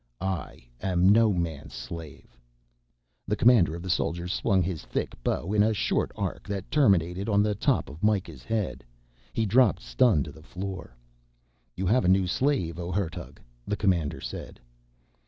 "I am no man's slave." The commander of the soldiers swung his thick bow in a short arc that terminated on the top of Mikah's head: he dropped stunned to the floor. "You have a new slave, oh Hertug," the commander said.